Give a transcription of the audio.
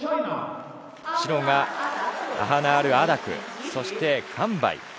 白がアハナール・アダクそしてカン・バイ